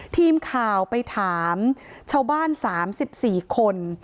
ทีมข่าวไปถามชาวบ้าน๓๔คน